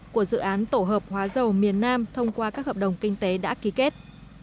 của dự án tổ hợp hóa dầu miền nam thông qua các hợp đồng kinh tế đã ký kết